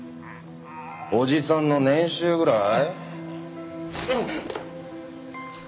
おじさんの年収ぐらい？